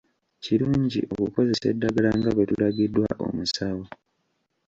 Kirungi okukozesa eddagala nga bwe tulagiddwa omusawo.